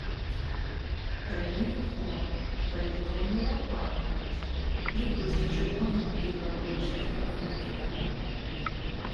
Перед нею ікона, перед іконою лампада горить, відблиски червоні на біле обличчя княгині кидає.